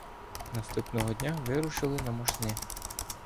Наступного дня вирушили на Мошни.